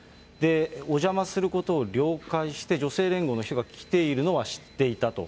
お邪魔することを了解して、女性連合の人が来ているのは知っていたと。